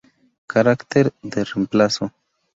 Carácter de reemplazo.